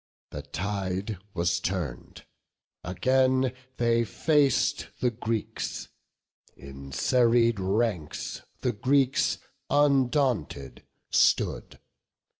The tide was turn'd; again they fac'd the Greeks: In serried ranks the Greeks, undaunted, stood.